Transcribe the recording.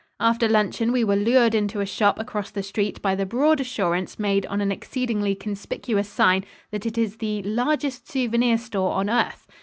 After luncheon we were lured into a shop across the street by the broad assurance made on an exceedingly conspicuous sign that it is the "largest souvenir store on earth."